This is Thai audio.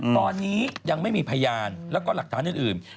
ตอนนี้ยังไม่มีพยานแล้วก็หลักฐานอื่น